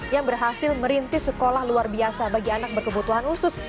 yang berhasil merintis sekolah luar biasa bagi anak berkebutuhan khusus